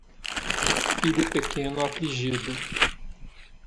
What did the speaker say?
Filho pequeno afligido